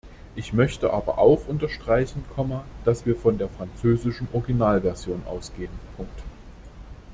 Ich möchte aber auch unterstreichen, dass wir von der französischen Originalversion ausgehen.